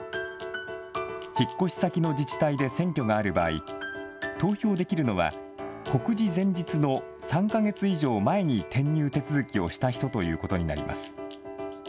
引っ越し先の自治体で選挙がある場合、投票できるのは、告示前日の３か月以上前に転入手続きをした人ということになります。